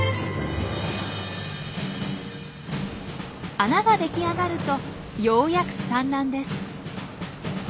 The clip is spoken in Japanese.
穴が出来上がるとようやく産卵です。